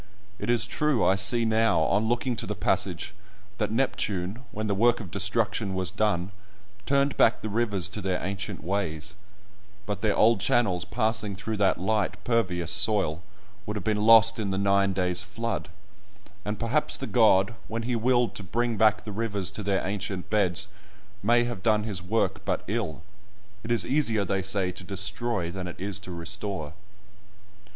It is true I see now, on looking to the passage, that Neptune, when the work of destruction was done, turned back the rivers to their ancient ways: "... ποταμους δ' ετρεφε νεεσθαι Καρ' ροον ηπερ προσθεν ιεν καλλιρροον υδωρ," but their old channels passing through that light pervious soil would have been lost in the nine days' flood, and perhaps the god, when he willed to bring back the rivers to their ancient beds, may have done his work but ill: it is easier, they say, to destroy than it is to restore.